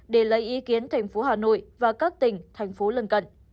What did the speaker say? để lấy ý kiến tp hcm và các tỉnh thành phố lần cận